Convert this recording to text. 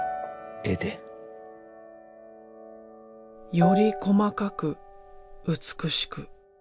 より細かく美しく。